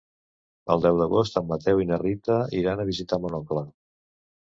El deu d'agost en Mateu i na Rita iran a visitar mon oncle.